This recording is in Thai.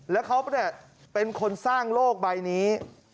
แล้วเขาเป็นคนสร้างโลกใบนี้